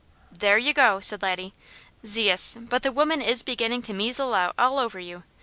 "There you go!" said Laddie. "Zeus, but the woman is beginning to measle out all over you!